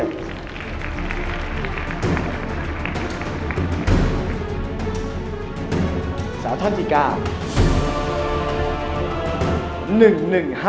๓๓๐ครับนางสาวปริชาธิบุญยืน